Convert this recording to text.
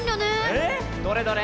ええ⁉どれどれ。